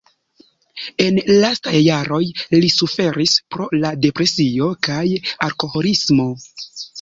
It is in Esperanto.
En lastaj jaroj li suferis pro depresio kaj alkoholismo.